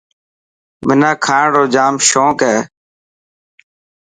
منا کاڻ رو جام شونڪ هي.